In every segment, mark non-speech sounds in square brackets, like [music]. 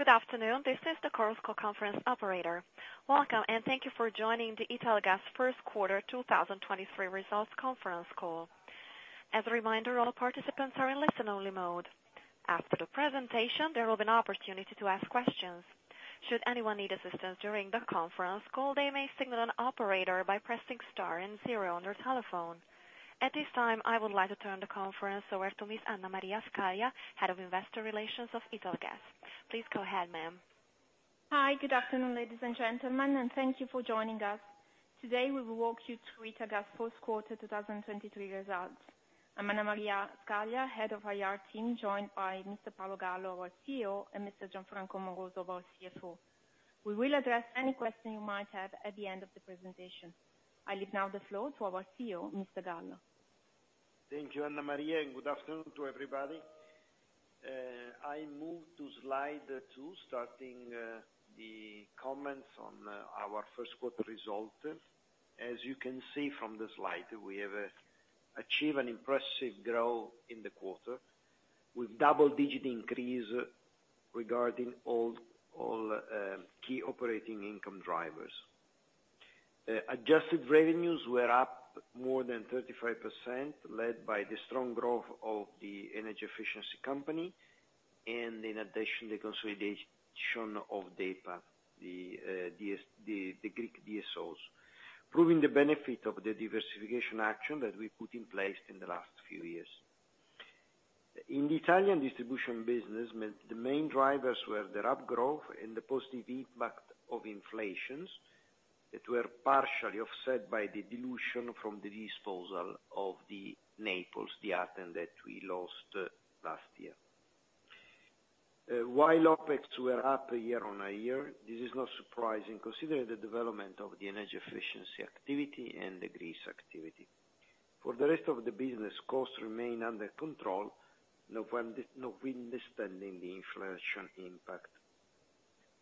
Good afternoon. This is the Chorus Call Conference operator. Welcome, and thank you for joining the Italgas First Quarter 2023 Results Conference Call. As a reminder, all participants are in listen-only mode. After the presentation, there will be an opportunity to ask questions. Should anyone need assistance during the conference call, they may signal an operator by pressing star and zero on their telephone. At this time, I would like to turn the conference over to Ms. Anna Maria Scaglia, Head of Investor Relations of Italgas. Please go ahead, ma'am. Hi. Good afternoon, ladies and gentlemen, and thank you for joining us. Today, we will walk you through Italgas first quarter 2023 results. I'm Anna Maria Scaglia, Head of IR team, joined by Mr. Paolo Gallo, our CEO, and Mr. Gianfranco Amoroso, our CFO. We will address any question you might have at the end of the presentation. I leave now the floor to our CEO, Mr. Gallo. Thank you, Anna Maria. Good afternoon to everybody. I move to slide two, starting the comments on our first quarter result. As you can see from the slide, we have achieved an impressive growth in the quarter with double digit increase regarding all key operating income drivers. Adjusted revenues were up more than 35% led by the strong growth of the energy efficiency company. In addition, the consolidation of DEPA, the Greek DSOs, proving the benefit of the diversification action that we put in place in the last few years. In the Italian distribution business, the main drivers were the rapid growth and the positive impact of inflations that were partially offset by the dilution from the disposal of the Naples, the item that we lost last year. While OpEx were up year-on-year, this is not surprising considering the development of the energy efficiency activity and the Greece activity. For the rest of the business, costs remain under control, notwithstanding the inflation impact.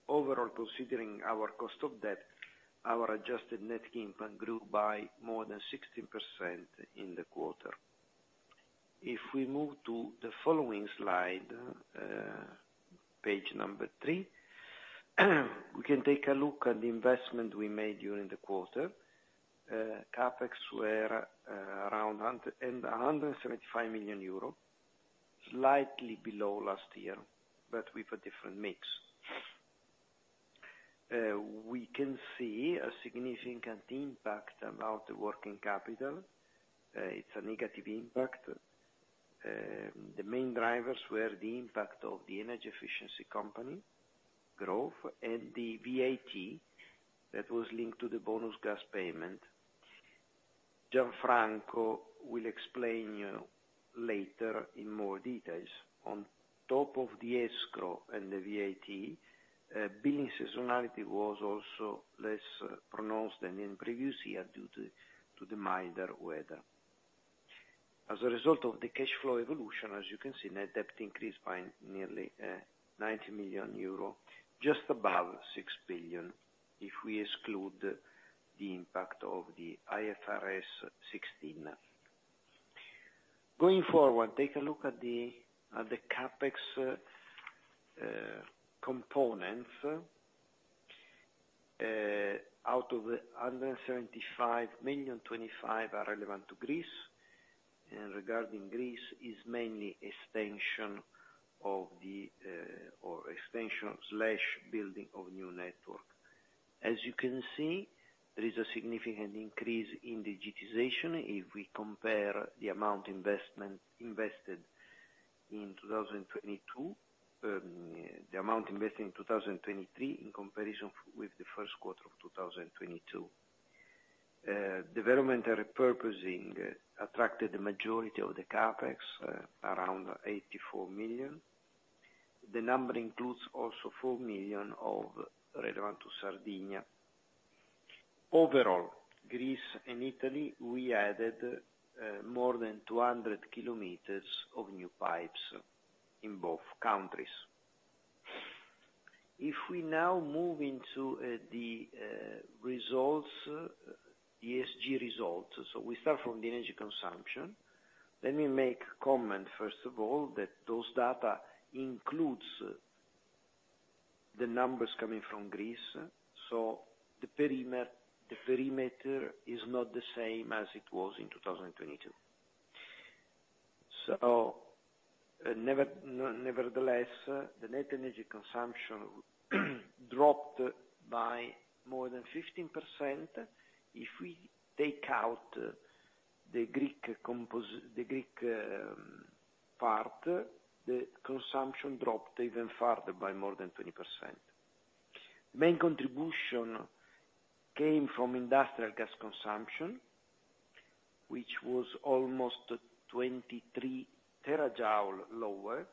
Overall, considering our cost of debt, our adjusted net income grew by more than 16% in the quarter. If we move to the following slide, page number three, we can take a look at the investment we made during the quarter. CapEx were around 175 million euro, slightly below last year, but with a different mix. We can see a significant impact about working capital. It's a negative impact. The main drivers were the impact of the energy efficiency company growth and the VAT that was linked to the Bonus Gas payment. Gianfranco will explain later in more details. On top of the escrow and the VAT, billing seasonality was also less pronounced than in previous year due to the milder weather. As a result of the cash flow evolution, as you can see, net debt increased by nearly 90 million euro, just above 6 billion, if we exclude the impact of the IFRS 16. Going forward, take a look at the CapEx components. Out of the 175 million, 25 million are relevant to Greece. Regarding Greece is mainly extension of the or extension slash building of new network. As you can see, there is a significant increase in digitization if we compare the amount investment invested in 2022. The amount invested in 2023 in comparison with the first quarter of 2022. Development and repurposing attracted the majority of the CapEx, around 84 million. The number includes also 4 million of relevant to Sardinia. Overall, Greece and Italy, we added more than 200 kilometers of new pipes in both countries. If we now move into the results, ESG results, we start from the energy consumption. Let me make comment, first of all, that those data includes the numbers coming from Greece, so the perimeter is not the same as it was in 2022. Nevertheless, the net energy consumption dropped by more than 15%. If we take out the Greek part, the consumption dropped even further by more than 20%. Main contribution came from industrial gas consumption, which was almost 23 terajoule lower,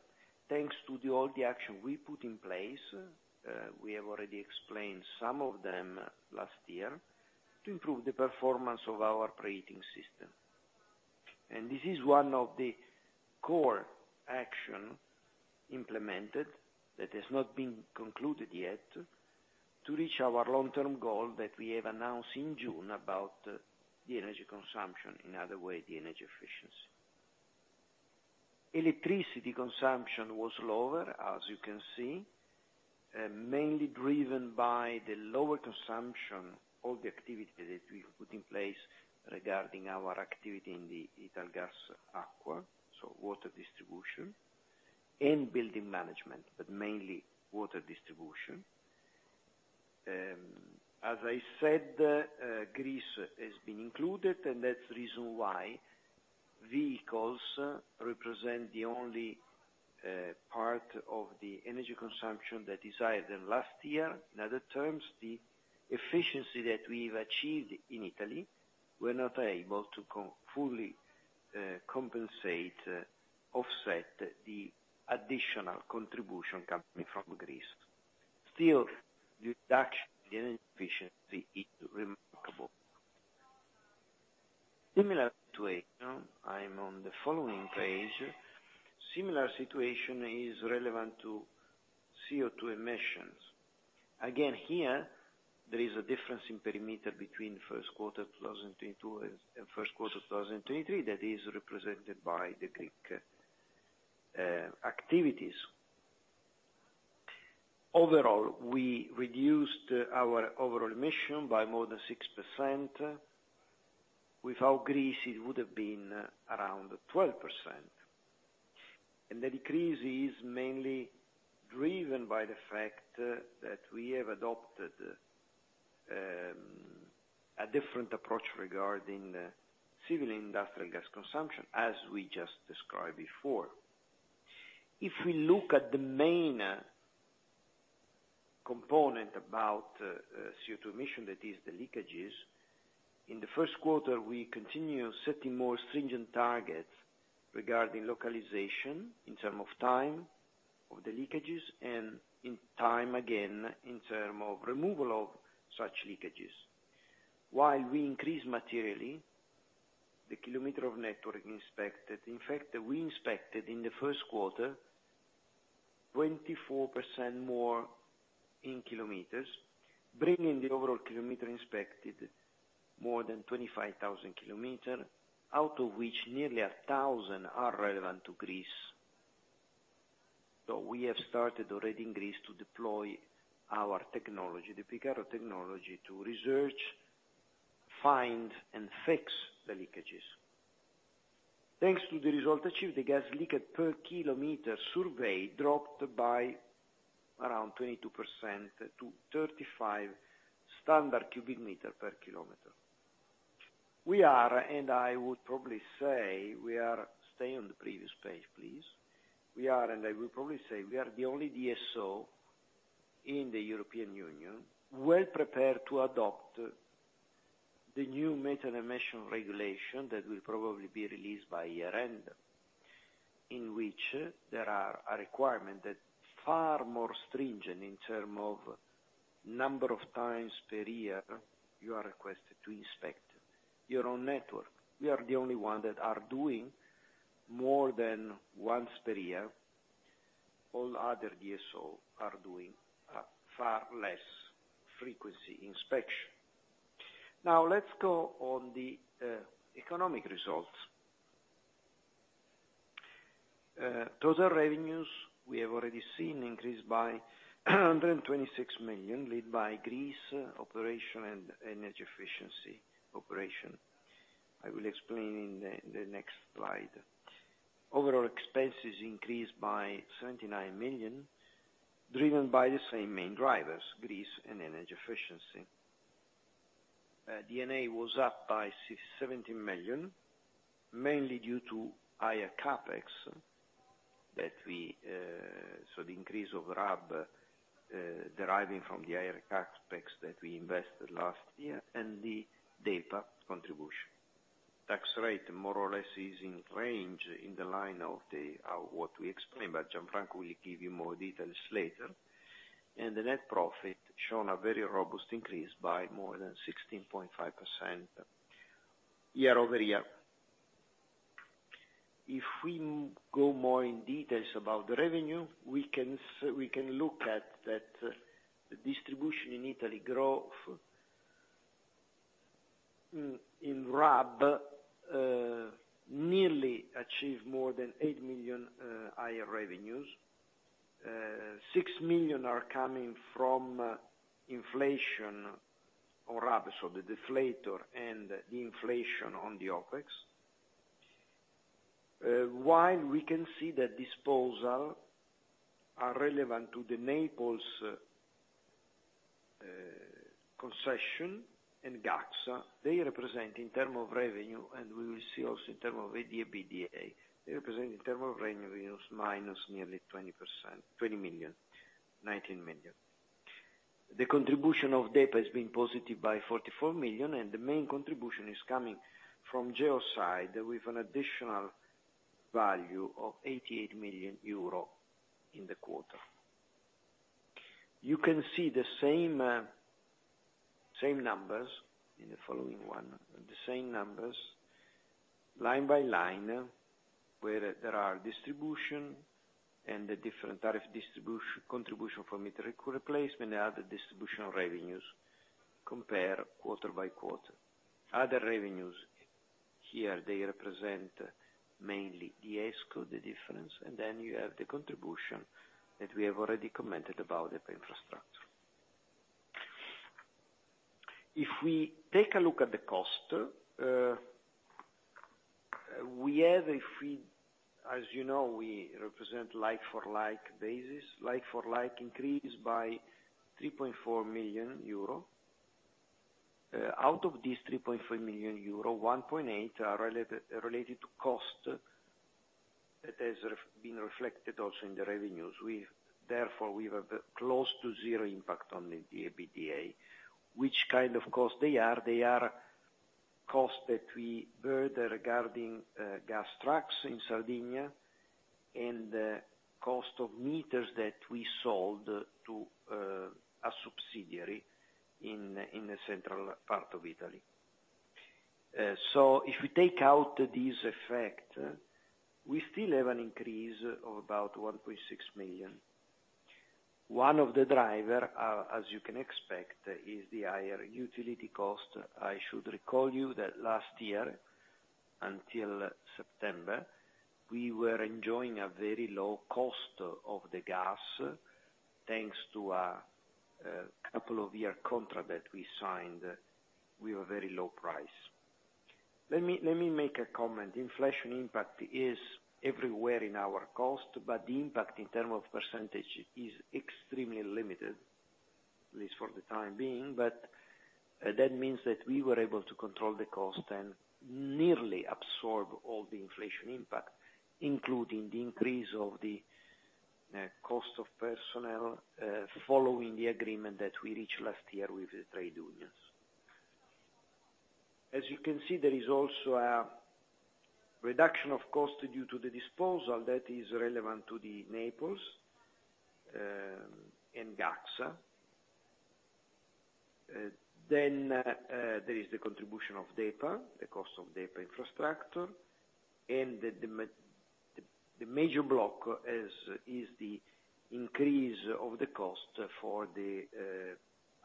thanks to the all the action we put in place, we have already explained some of them last year, to improve the performance of our operating system. This is one of the core action implemented that has not been concluded yet. To reach our long term goal that we have announced in June about the energy consumption, in other way, the energy efficiency. Electricity consumption was lower, as you can see, mainly driven by the lower consumption of the activity that we've put in place regarding our activity in the Italgas Acqua, so water distribution and building management, but mainly water distribution. As I said, Greece has been included, and that's the reason why vehicles represent the only part of the energy consumption that is higher than last year. In other terms, the efficiency that we've achieved in Italy, we're not able to fully compensate, offset the additional contribution coming from Greece. The reduction in efficiency is remarkable. Similar situation, I'm on the following page. Similar situation is relevant to CO2 emissions. Here there is a difference in perimeter between first quarter 2022 and first quarter 2023 that is represented by the Greek activities. We reduced our overall emission by more than 6%. Without Greece, it would have been around 12%. The decrease is mainly driven by the fact that we have adopted a different approach regarding civil and industrial gas consumption, as we just described before. If we look at the main component about CO2 emission, that is the leakages, in the first quarter, we continue setting more stringent targets regarding localization in term of time of the leakages and in time again in term of removal of such leakages. While we increase materially the km of network inspected, in fact, we inspected in the first quarter 24% more in kilometers, bringing the overall kilometers inspected more than 25,000 km, out of which nearly 1,000 km are relevant to Greece. We have started already in Greece to deploy our technology, the Picarro technology, to research, find and fix the leakages. Thanks to the result achieved, the gas leakage per kilometer survey dropped by around 22% to 35 standard cubic meter per kilometer. We are. Stay on the previous page, please. We are, and I would probably say, we are the only DSO in the European Union well prepared to adopt the new methane emission regulation that will probably be released by year end, in which there are a requirement that far more stringent in term of number of times per year you are requested to inspect your own network. We are the only one that are doing more than once per year. All other DSO are doing far less frequency inspection. Now, let's go on the economic results. Total revenues, we have already seen increase by 126 million, led by Greece operation and Energy Efficiency operation. I will explain in the next slide. Overall expenses increased by 79 million, driven by the same main drivers, Greece and energy efficiency. D&A was up by 17 million, mainly due to higher CapEx that we. The increase of RAB deriving from the higher CapEx that we invested last year and the DEPA contribution. Tax rate more or less is in range in the line of what we explained, but Gianfranco will give you more details later. The net profit shown a very robust increase by more than 16.5% year-over-year. If we go more in details about the revenue, we can look at that, the distribution in Italy growth in RAB nearly achieved more than 8 million higher revenues. 6 million are coming from inflation or RAB, so the deflator and the inflation on the OpEx. While we can see the disposal are relevant to the Naples concession and Gaxa, they represent in term of revenue, and we will see also in term of EBITDA, they represent in term of revenue minus nearly 20%, 20 million, 19 million. The contribution of DEPA has been positive by 44 million. The main contribution is coming from Geoside with an additional value of 88 million euro in the quarter. You can see the same same numbers in the following one, the same numbers line by line, where there are distribution and the different tariff contribution for meter re-replacement, other distribution revenues compare quarter-over-quarter. Other revenues, here, they represent mainly the ESCo, the difference. You have the contribution that we have already commented about the infrastructure. If we take a look at the cost, we have a free, as you know, we represent like for like basis. Like for like increased by 3.4 million euro. Out of these 3.4 million euro, 1.8 million are related to cost that has been reflected also in the revenues. Therefore, we have a close to zero impact on the EBITDA. Which kind of cost they are? They are cost that we bear regarding gas trucks in Sardinia and the cost of meters that we sold to a subsidiary in the central part of Italy. If we take out these effect, we still have an increase of about 1.6 million. One of the driver, as you can expect, is the higher utility cost. I should recall you that last year, until September, we were enjoying a very low cost of the gas, thanks to a two-year contract that we signed with a very low price. Let me make a comment. Inflation impact is everywhere in our cost, but the impact in term of percentage is extremely limited, at least for the time being. That means that we were able to control the cost and nearly absorb all the inflation impact, including the increase of the cost of personnel, following the agreement that we reached last year with the trade unions. As you can see, there is also a reduction of cost due to the disposal that is relevant to the Naples, and Gaxa. There is the contribution of DEPA, the cost of DEPA Infrastructure, and the major block is the increase of the cost for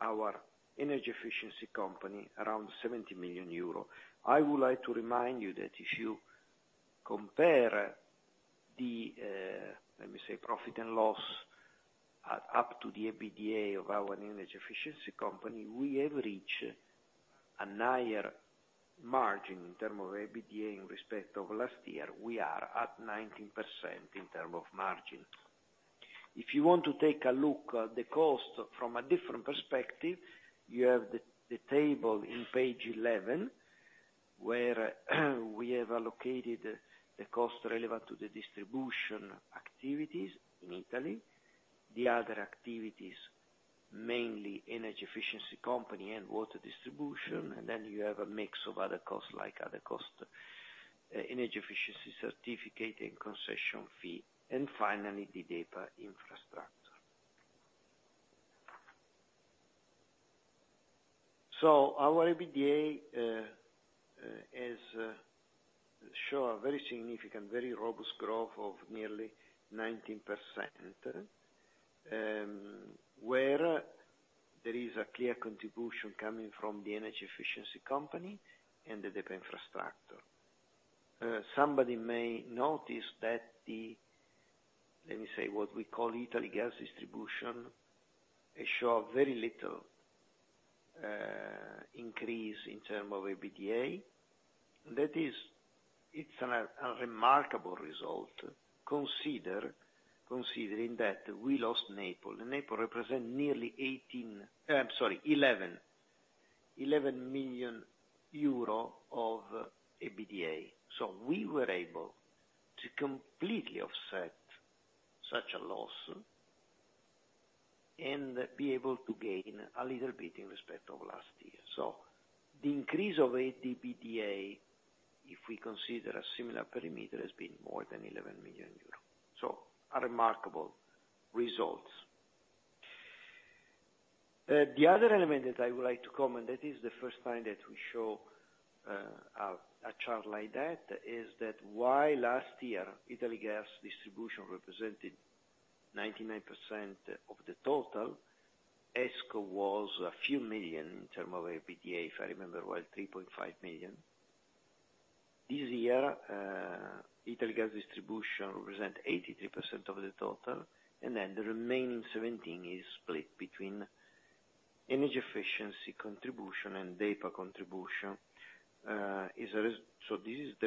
our energy efficiency company, around 70 million euro. I would like to remind you that if you compare the let me say profit and loss up to the EBITDA of our energy efficiency company, we have reached a higher margin in term of EBITDA in respect of last year. We are at 19% in term of margin. If you want to take a look at the cost from a different perspective, you have the table in page 11, where we have allocated the cost relevant to the distribution activities in Italy. The other activities, mainly energy efficiency company and water distribution, you have a mix of other costs, like other costs, energy efficiency certificate and concession fee, and finally, the DEPA Infrastructure. Our EBITDA has show a very significant, very robust growth of nearly 19%, where there is a clear contribution coming from the energy efficiency company and the DEPA Infrastructure. Somebody may notice that the, let me say, what we call Italgas distribution show very little increase in term of EBITDA. It's a remarkable result, considering that we lost Naples, and Naples represent nearly EUR 11 million of EBITDA. We were able to completely offset such a loss and be able to gain a little bit in respect of last year. The increase of EBITDA, if we consider a similar perimeter, has been more than 11 million euros. A remarkable results. The other element that I would like to comment, that is the first time that we show a chart like that, is that while last year Italgas distribution represented 99% of the total, ESCo was a few million in term of EBITDA, if I remember well, 3.5 million. This year, Italgas distribution represent 83% of the total, and then the remaining 17 is split between energy efficiency contribution and DEPA contribution. As a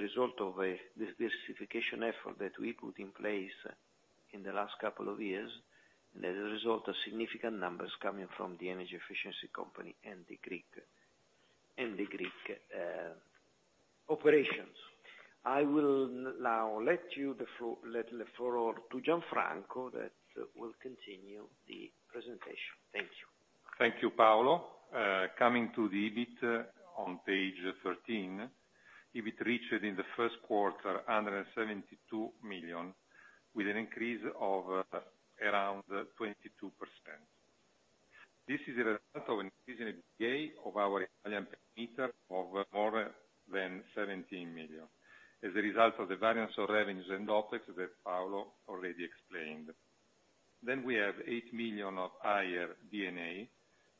result of this certification effort that we put in place in the last couple of years, and as a result, a significant numbers coming from the energy efficiency company and the Greek operations. I will now let the floor to Gianfranco that will continue the presentation. Thank you. Thank you, Paolo. Coming to the EBIT on page 13. It reached in the first quarter, 172 million, with an increase of around 22%. This is a result of an increase in EBITDA of our [Italian meter] of more than 17 million, as a result of the variance of revenues and OpEx that Paolo already explained. We have 8 million of higher D&A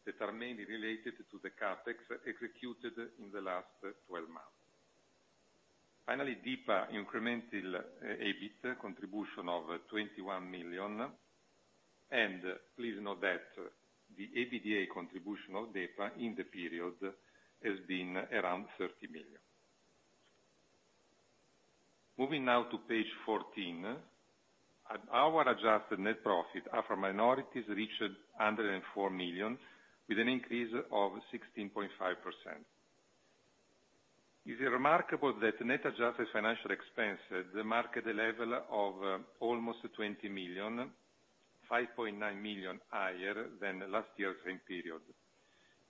that are mainly related to the CapEx executed in the last 12 months. Finally, DEPA incremental EBIT contribution of 21 million. Please note that the EBITDA contribution of DEPA in the period has been around EUR 30 million. Moving now to page 14. At our adjusted net profit after minorities reached 104 million with an increase of 16.5%. Is it remarkable that net adjusted financial expenses mark the level of almost 20 million, 5.9 million higher than last year's same period,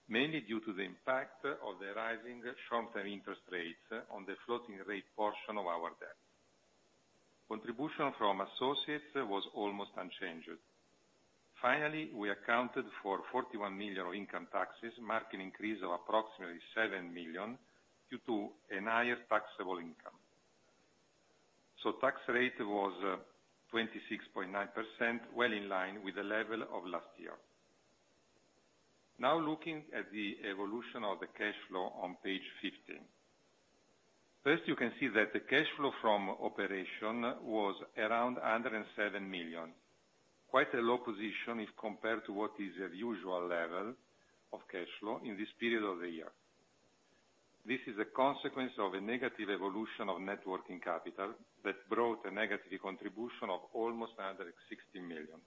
mainly due to the impact of the rising short-term interest rates on the floating rate portion of our debt. Contribution from associates was almost unchanged. We accounted for 41 million of income taxes, marking increase of approximately 7 million due to a higher taxable income. Tax rate was 26.9%, well in line with the level of last year. Looking at the evolution of the cash flow on page 15. You can see that the cash flow from operation was around 107 million. Quite a low position if compared to what is the usual level of cash flow in this period of the year. This is a consequence of a negative evolution of net working capital that brought a negative contribution of almost 160 million.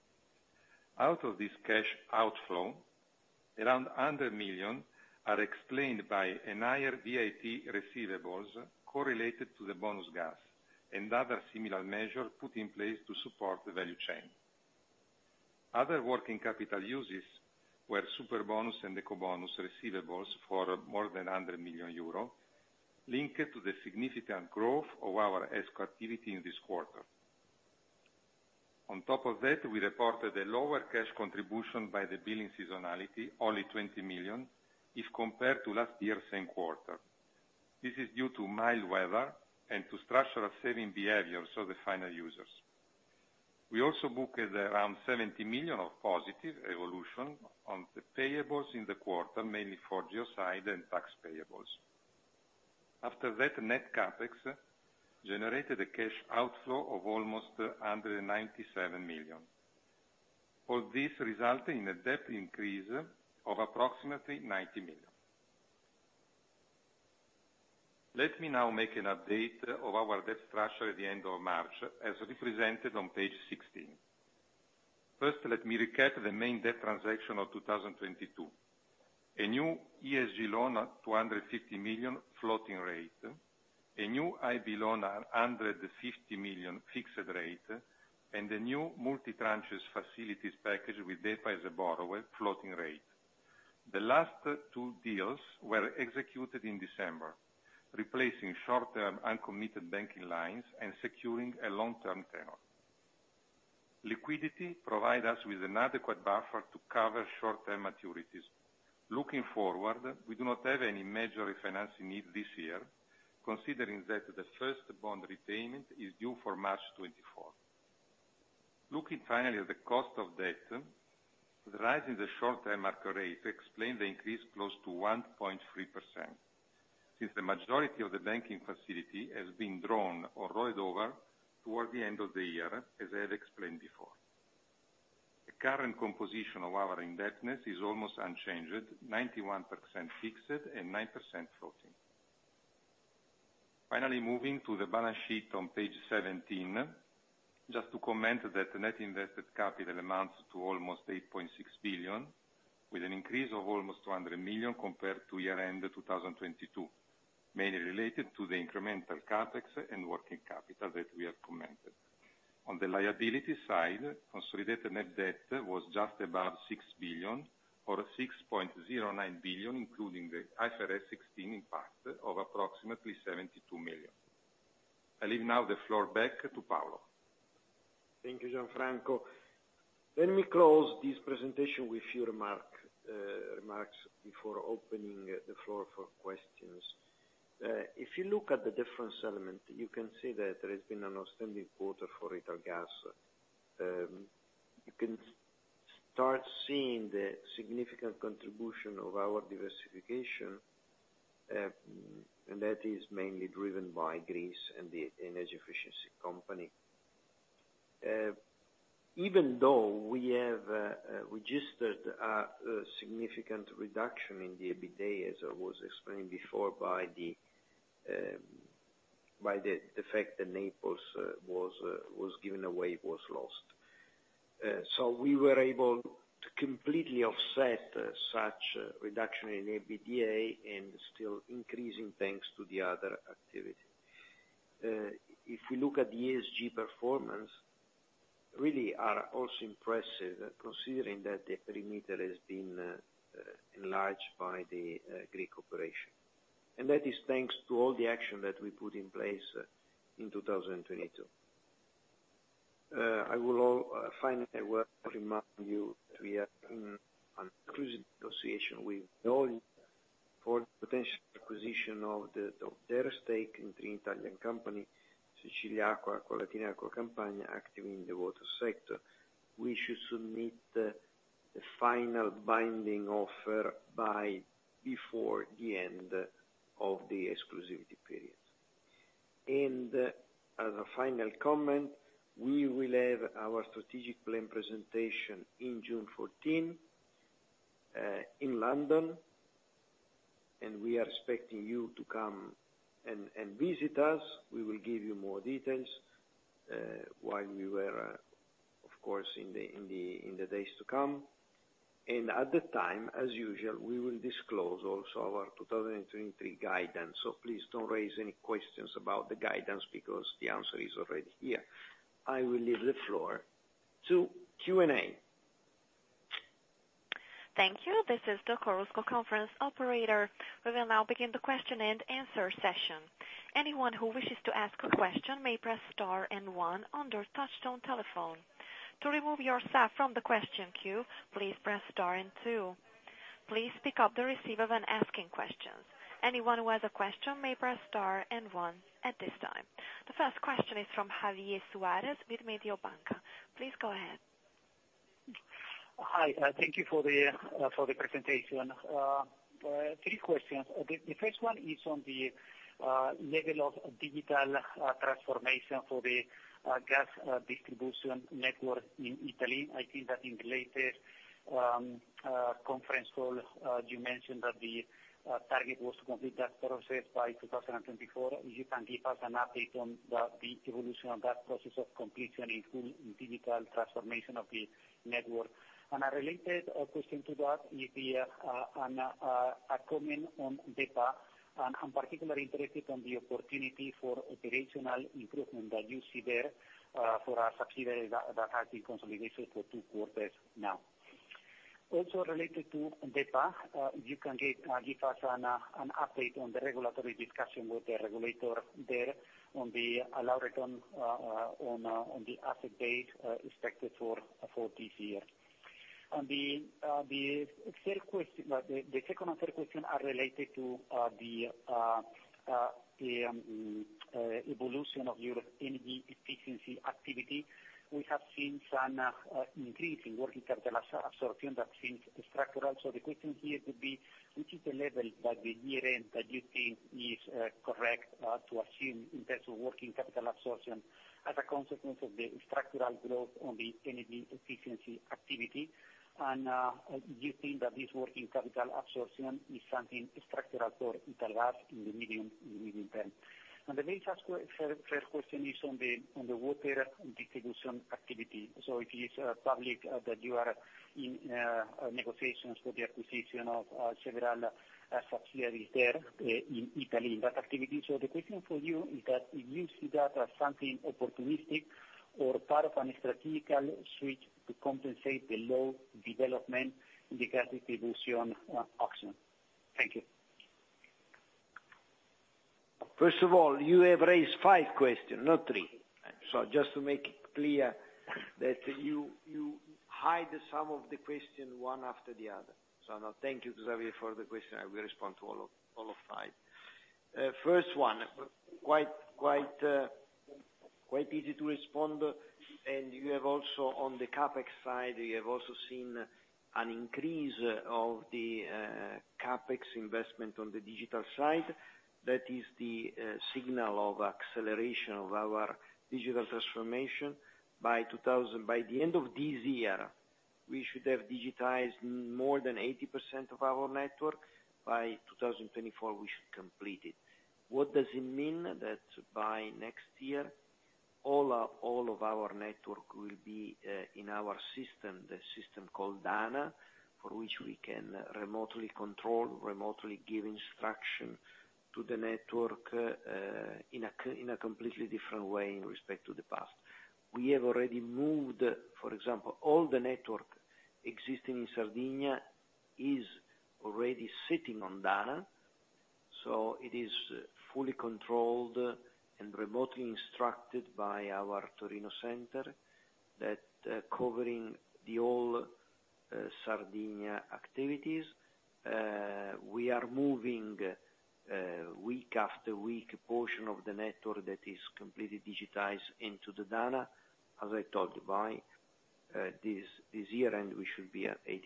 Out of this cash outflow, around 100 million are explained by an higher VAT receivables correlated to the Bonus Gas and other similar measures put in place to support the value chain. Other working capital uses were Superbonus and Ecobonus receivables for more than 100 million euro, linked to the significant growth of our ESCo activity in this quarter. On top of that, we reported a lower cash contribution by the billing seasonality, only 20 million, if compared to last year's same quarter. This is due to mild weather and to structural saving behavior, so the final users. We also booked around 70 million of positive evolution on the payables in the quarter, mainly for Geoside and tax payables. After that, net CapEx generated a cash outflow of almost 197 million. All this resulting in a debt increase of approximately 90 million. Let me now make an update of our debt structure at the end of March, as represented on page 16. First, let me recap the main debt transaction of 2022. A new ESG loan, 250 million floating rate, a new EIB loan, 150 million fixed rate, and the new multi-tranches facilities package with DEPA as a borrower, floating rate. The last two deals were executed in December, replacing short-term uncommitted banking lines and securing a long-term tenor. Liquidity provide us with an adequate buffer to cover short-term maturities. Looking forward, we do not have any major refinancing needs this year, considering that the first bond repayment is due for March 24th. Looking finally at the cost of debt, the rise in the short term market rate explain the increase close to 1.3%, since the majority of the banking facility has been drawn or rolled over towards the end of the year, as I have explained before. The current composition of our indebtedness is almost unchanged, 91% fixed and 9% floating. Finally, moving to the balance sheet on page 17. Just to comment that the net invested capital amounts to almost 8.6 billion, with an increase of almost 200 million compared to year-end 2022, mainly related to the incremental CapEx and working capital that we have commented. On the liability side, consolidated net debt was just above 6 billion or 6.09 billion, including the IFRS 16 impact of approximately 72 million. I leave now the floor back to Paolo. Thank you, Gianfranco. Let me close this presentation with few remarks before opening the floor for questions. If you look at the difference element, you can see that there has been an outstanding quarter for Italgas. You can start seeing the significant contribution of our diversification, and that is mainly driven by Greece and the energy efficiency company. Even though we have registered a significant reduction in the EBITDA, as I was explaining before by the fact that Naples was given away, was lost. We were able to completely offset such reduction in EBITDA and still increasing thanks to the other activities. If we look at the ESG performance, really are also impressive, considering that the perimeter has been enlarged by the Greek operation. That is thanks to all the action that we put in place in 2022. Finally, I will remind you that we are in an exclusive negotiation [audio distortion] active in the water sector, we should submit a final bidding offer before the end of the exclusivity period. And as a final comment, we will have our strategic plan presentation in June 14th in London and we are expecting you to come and visit us. We will give you more details while we were, of course, in the days to come. And at that time as usual, we will disclose also our 2023 guidance. So please don't raise any questions about the guidance because the answer is already here. I will leave the floor to Q&A. Thank you. This is the Chorus Call conference operator. We will now begin the question-and-answer session. Anyone who wishes to ask a question may press star one on their touch-tone telephone. To remove yourself from the question queue, please press star two. Please pick up the receiver when asking questions. Anyone who has a question may press star one at this time. The first question is from Javier Suarez with Mediobanca. Please go ahead. Hi, thank you for the presentation. Three questions. The first one is on the level of digital transformation for the gas distribution network in Italy. I think that in the later conference call, you mentioned that the target was to complete that process by 2024. If you can give us an update on that, the evolution of that process of completion in full digital transformation of the network. A related question to that is on a comment on DEPA, and I'm particularly interested on the opportunity for operational improvement that you see there for our subsidiary that has been consolidated for two quarters now. Also related to DEPA, you can give us an update on the regulatory discussion with the regulator there on the allowance on the asset base expected for this year. The third question, the second and third question are related to the evolution of your energy efficiency activity. We have seen some increase in working capital absorption that seems structural. The question here would be, which is the level that the year end that you think is correct to assume in terms of working capital absorption as a consequence of the structural growth on the energy efficiency activity? Do you think that this working capital absorption is something structural for Italgas in the medium term? The very first question is on the water distribution activity. It is public that you are in negotiations for the acquisition of several subsidiaries there in Italy, that activity. The question for you is that if you see that as something opportunistic or part of an strategical switch to compensate the low development in the gas distribution option. Thank you. First of all, you have raised five questions, not three. Just to make it clear that you hide some of the question one after the other. Now thank you, Javier, for the question. I will respond to all of five. First one, quite easy to respond. You have also, on the CapEx side, you have also seen an increase of the CapEx investment on the digital side. That is the signal of acceleration of our digital transformation. By the end of this year, we should have digitized more than 80% of our network. By 2024, we should complete it. What does it mean? By next year, all of our network will be in our system, the system called DANA, for which we can remotely control, remotely give instruction to the network in a completely different way in respect to the past. We have already moved, for example, all the network existing in Sardinia is already sitting on DANA. It is fully controlled and remotely instructed by our Torino center that covering the all Sardinia activities. We are moving week after week a portion of the network that is completely digitized into the DANA. As I told you, by this year end, we should be at 80%.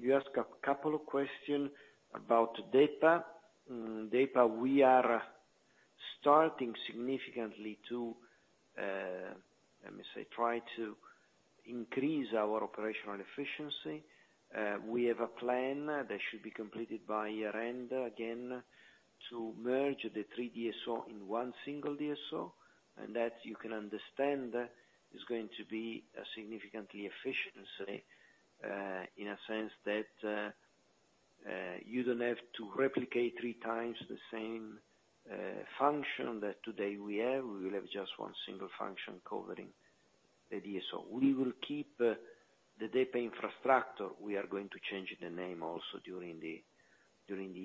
You ask a couple of question about DEPA. DEPA, we are starting significantly to let me say, try to increase our operational efficiency. We have a plan that should be completed by year-end, again, to merge the three DSO in one single DSO. That, you can understand, is going to be a significantly efficiency in a sense that you don't have to replicate 3x the same function that today we have. We will have just one single function covering the DSO. We will keep the DEPA Infrastructure. We are going to change the name also during the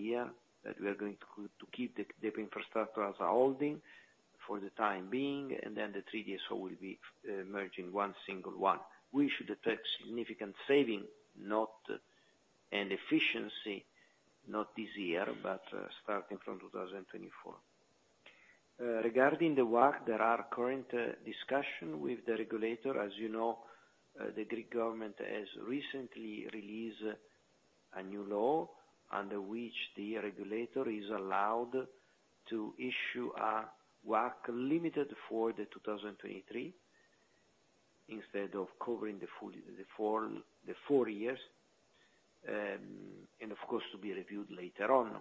year, that we are going to keep the DEPA Infrastructure as a holding for the time being, and then the three DSO will be merging one single one. We should detect significant saving, not... And efficiency, not this year, but starting from 2024. Regarding the WACC, there are current discussion with the regulator. As you know, the Greek government has recently released a new law under which the regulator is allowed to issue a WACC limited for 2023 instead of covering the full, the four years. And of course to be reviewed later on.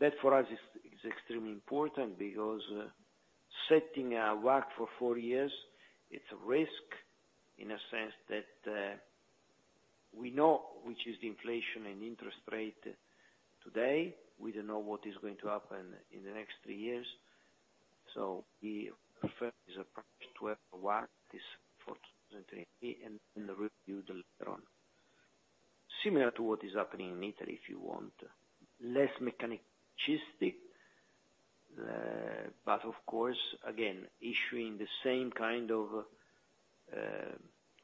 That, for us, is extremely important because setting a WACC for four years, it's a risk in a sense that we know which is the inflation and interest rate today. We don't know what is going to happen in the next three years. So we prefer this approach to have a WACC that is for 2023 and reviewed later on. Similar to what is happening in Italy, if you want. Less mechanistic, but of course, again, issuing the same kind of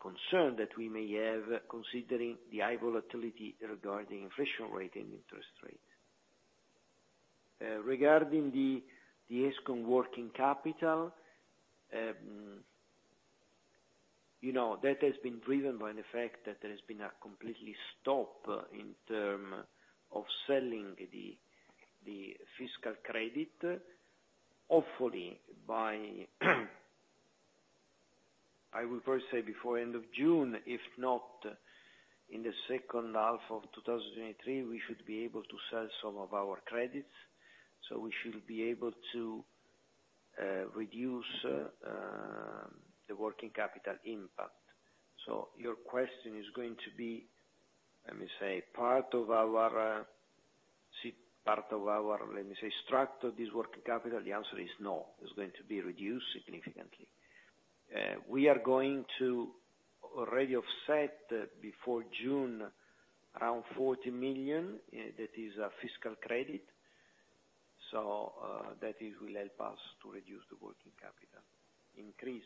concern that we may have considering the high volatility regarding inflation rate and interest rate. Regarding the ESCo working capital, you know, that has been driven by the fact that there has been a completely stop in term of selling the fiscal credit. Hopefully, by I would probably say before end of June, if not in the second half of 2023, we should be able to sell some of our credits. We should be able to reduce the working capital impact. Your question is going to be, let me say, part of our structure of this working capital, the answer is no. It's going to be reduced significantly. We are going to already offset before June around 40 million. That is our fiscal credit. That is will help us to reduce the working capital increase.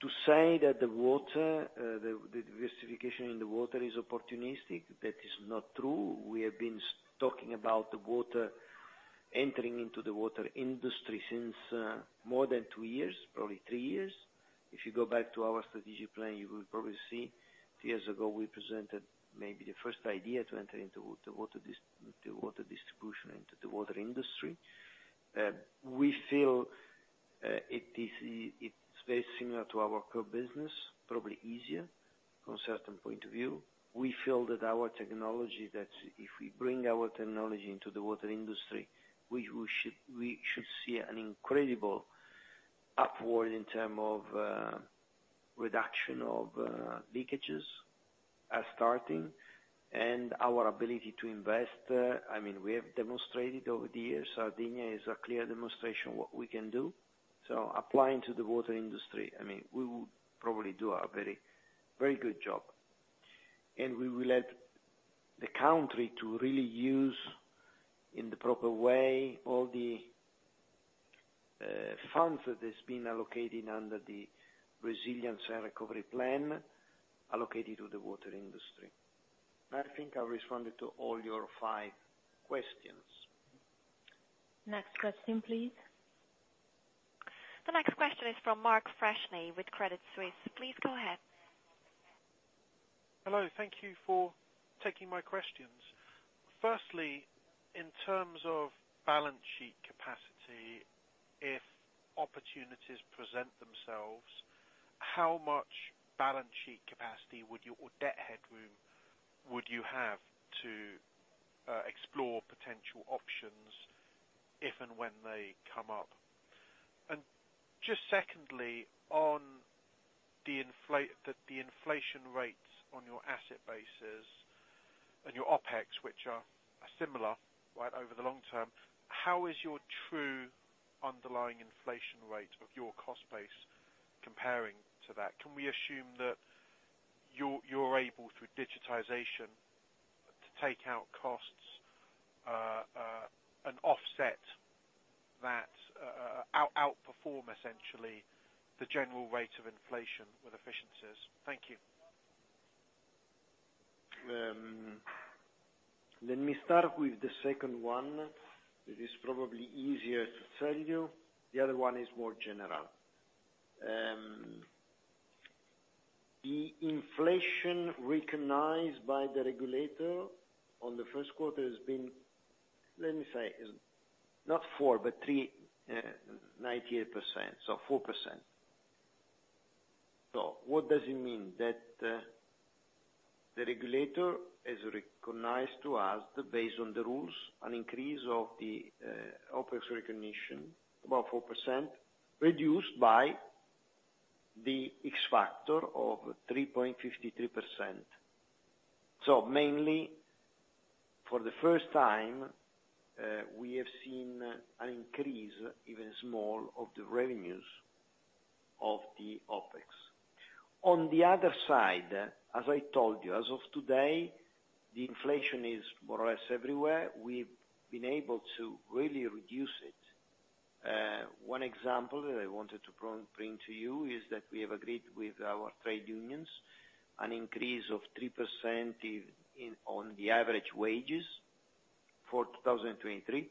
To say that the water, the diversification in the water is opportunistic, that is not true. We have been talking about the water, entering into the water industry since more than two years, probably three years. If you go back to our strategic plan, you will probably see two years ago we presented maybe the first idea to enter into the water distribution into the water industry. We feel it is, it's very similar to our core business, probably easier from a certain point of view. We feel that our technology, that's if we bring our technology into the water industry, we should see an incredible upward in term of reduction of leakages as starting. Our ability to invest, I mean we have demonstrated over the years, Sardinia is a clear demonstration what we can do. Applying to the water industry, I mean, we will probably do a very, very good job. We will let the country to really use, in the proper way, all the funds that has been allocated under the Resilience and Recovery Plan allocated to the water industry. I think I responded to all your five questions. Next question, please. The next question is from Mark Freshney with Credit Suisse. Please go ahead. Hello. Thank you for taking my questions. Firstly, in terms of balance sheet capacity, if opportunities present themselves, how much balance sheet capacity would you, or debt headroom would you have to explore potential options if and when they come up? Just secondly, on the inflation rates on your asset bases and your OpEx, which are similar, right, over the long term, how is your true underlying inflation rate of your cost base comparing to that? Can we assume that you're able, through digitization, to take out costs and offset that outperform, essentially, the general rate of inflation with efficiencies? Thank you. Let me start with the second one. It is probably easier to tell you. The other one is more general. The inflation recognized by the regulator on the first quarter has been, let me say, is not 4% but [3.98%] so 4%. What does it mean? That the regulator has recognized to us that based on the rules, an increase of the OpEx recognition, about 4%, reduced by the X-factor of 3.53%. Mainly, for the first time, we have seen an increase, even small, of the revenues of the OpEx. On the other side, as I told you, as of today, the inflation is more or less everywhere. We've been able to really reduce it. One example that I wanted to bring to you is that we have agreed with our trade unions an increase of 3% on the average wages for 2023.